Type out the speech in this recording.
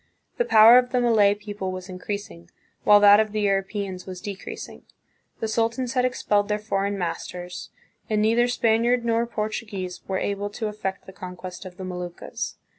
The power of the Malay people was increasing, while that of the Europeans was decreasing. The sultans had expelled their foreign masters, Moro Shield. CONQUEST AND SETTLEMENT, 1565 1600. 149 and neither Spaniard nor Portuguese were able to effect the conquest of the Moluccas.